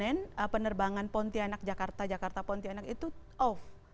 karena penerbangan pontianak jakarta jakarta pontianak itu off